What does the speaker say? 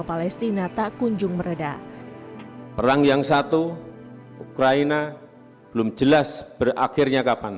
palestina tak kunjung meredah perang yang satu ukraina belum jelas berakhirnya kapan